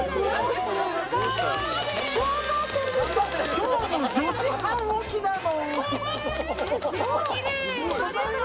今日も４時半起きなの！